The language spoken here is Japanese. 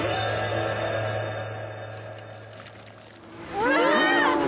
・うわ！